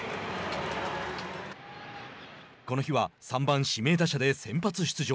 この日は３番指名打者で先発出場。